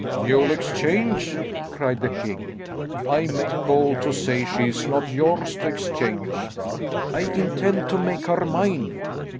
"You'll exchange!" cried the king. "I make bold to say she is not yours to exchange." "I intend to make her mine."